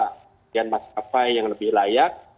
kemudian mas kapal yang lebih layak